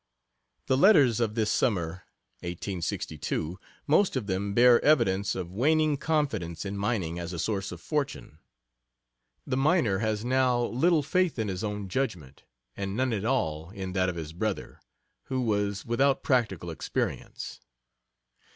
The letters of this summer (1862) most of them bear evidence of waning confidence in mining as a source of fortune the miner has now little faith in his own judgment, and none at all in that of his brother, who was without practical experience.